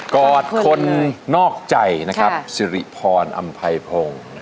กอดคนนอกใจสิริพรอำภัยพงษ์